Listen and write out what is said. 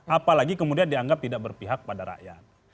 apalagi kemudian dianggap tidak berpihak pada rakyat